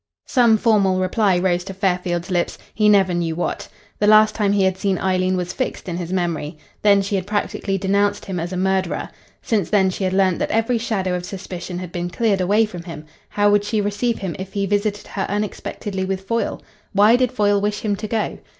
Some formal reply rose to Fairfield's lips he never knew what. The last time he had seen Eileen was fixed in his memory. Then she had practically denounced him as a murderer. Since then she had learnt that every shadow of suspicion had been cleared away from him. How would she receive him if he visited her unexpectedly with Foyle? Why did Foyle wish him to go?